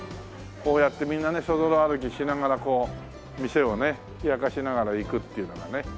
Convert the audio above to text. こうやってみんなねそぞろ歩きしながら店をね冷やかしながら行くっていうのがね。